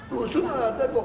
rusun ada kok